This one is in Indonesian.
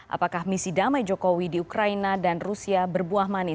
apakah misi damai jokowi di ukraina dan rusia berbuah manis